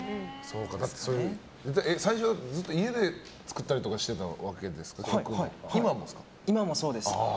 最初、ずっと家で作ってたりしていたわけですけど今もそうです。